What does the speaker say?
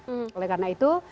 oleh karena itu